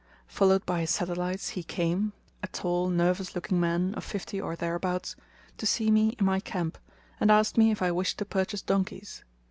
Followed by his satellites, he came (a tall nervous looking man, of fifty or thereabouts) to see me in my camp, and asked me if I wished to purchase donkeys.